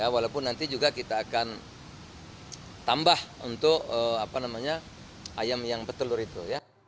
walaupun nanti juga kita akan tambah untuk ayam yang petelur itu